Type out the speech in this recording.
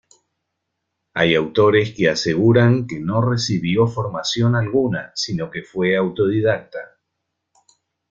Hay autores que aseguran que no recibió formación alguna, sino que fue autodidacta.